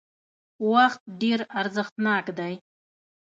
وخت ډېر ارزښتناک دی